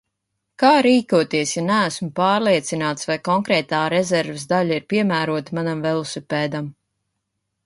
Kā rīkoties, ja neesmu pārliecināts, vai konkrētā rezerves daļa ir piemērota manam velosipēdam?